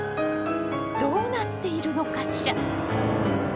どうなっているのかしら？